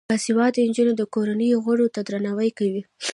باسواده نجونې د کورنۍ غړو ته درناوی کوي.